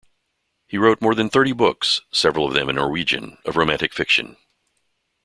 He wrote more than thirty books, several of them in Norwegian, of romantic fiction.